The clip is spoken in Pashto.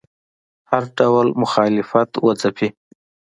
هر ډول مخالفت وځپي